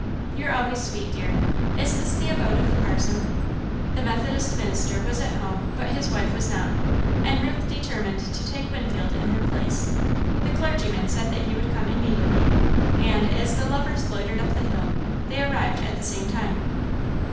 "You're always sweet, dear. Is this the abode of the parson?" The Methodist minister was at home, but his wife was not, and Ruth determined to take Winfield in her place. The clergyman said that he would come immediately, and, as the lovers loitered up the hill, they arrived at the same time.